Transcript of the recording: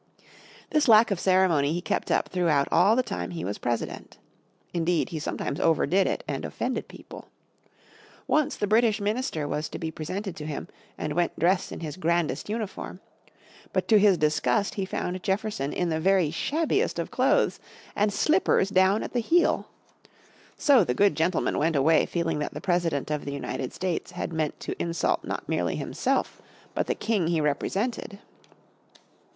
This lack of ceremony he kept up throughout all the time he was President. Indeed he sometimes overdid it and offended people. Once the British Minister was to be presented to him and went dressed in his grandest uniform. But to his disgust he found Jefferson in the very shabbiest of clothes, and slippers down at the heel. So the good gentleman went away feeling that the President of the United States had meant to insult not merely himself but the King he represented.